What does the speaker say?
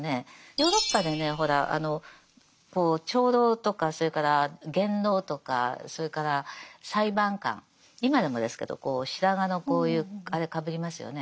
ヨーロッパでねほらあの長老とかそれから元老とかそれから裁判官今でもですけどこう白髪のこういうあれかぶりますよね。